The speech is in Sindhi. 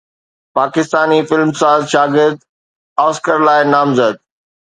پاڪستاني فلم ساز شاگرد آسڪر لاءِ نامزد